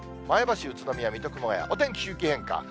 前橋、宇都宮、水戸、熊谷、お天気周期変化。